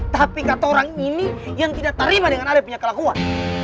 tapi katorang ini yang tidak terima dengan ale punya kelakuan